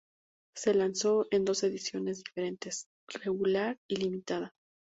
Se lanzó en dos ediciones diferentes: Regular y Limitada.